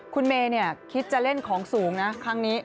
คุณเมย์คิดจะเล่นของสูงนะครั้งนี้